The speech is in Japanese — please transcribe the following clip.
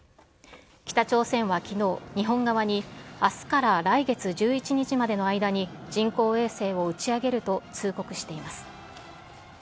北朝鮮はきのう、日本側にあすから来月１１日までの間に人工衛星を打ち上げると通告しています。